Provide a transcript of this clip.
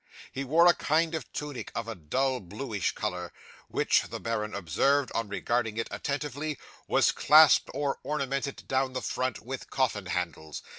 He wore a kind of tunic of a dull bluish colour, which, the baron observed, on regarding it attentively, was clasped or ornamented down the front with coffin handles.